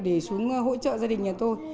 để xuống hỗ trợ gia đình nhà tôi